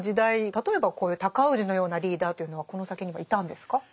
例えばこういう尊氏のようなリーダーというのはこの先にはいたんですか？